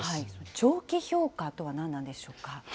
長期評価とは何なんでしょうか。